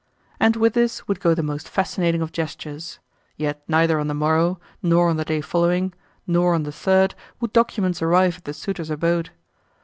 And with this would go the most fascinating of gestures. Yet neither on the morrow, nor on the day following, nor on the third would documents arrive at the suitor's abode.